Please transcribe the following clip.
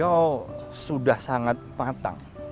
beliau sudah sangat matang